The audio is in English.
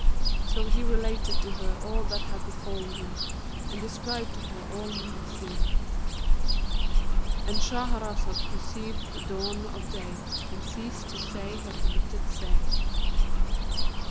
So he related to her all that had befallen him and described to her all he had seen,"—And Shahrazad perceived the dawn of day and ceased to say her permitted say.